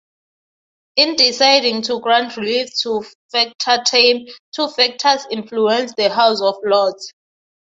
In deciding to grant relief to Factortame, two factors influenced the House of Lords.